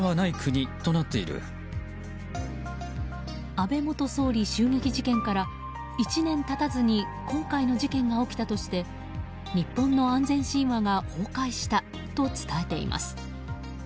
安倍元総理銃撃事件から１年経たずに今回の事件が起きたとして日本の安全神話が崩壊したと伝えています。